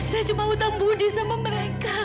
saya cuma utang budi sama mereka